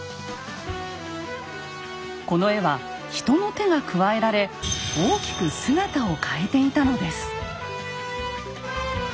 この絵は人の手が加えられ大きく姿を変えていたのです。